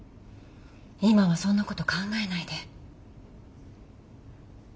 今はそんなこと考えないで。